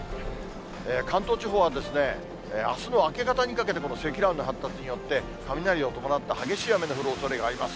関東地方はですね、あすの明け方にかけて、この積乱雲の発達によって、雷を伴った激しい雨の降るおそれがあります。